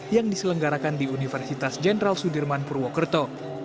yang diselenggarakan di universitas jenderal sudirman purwokerto